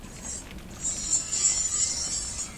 ایا ځايي کروندګر بادام پلوري؟